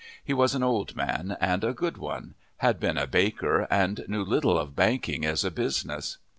He was an old man, and a good one; had been a baker, and knew little of banking as a business.